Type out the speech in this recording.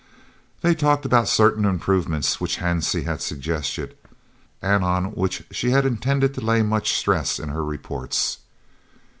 They talked about certain improvements which Hansie had suggested, and on which she had intended to lay much stress in her reports.